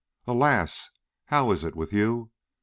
_ Alas, how is it with you?